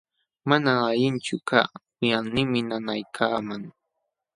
Manam allinchu kaa, wiqawniimi nanaykaaman.